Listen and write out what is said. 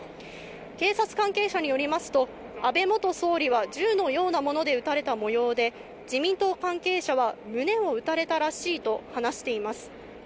警察関係者によりますと、安倍元総理は銃のようなもので撃たれた模様で、自民党関係者は胸を撃たれたらしいと話しています。